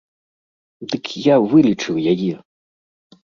Дык я вылічыў яе!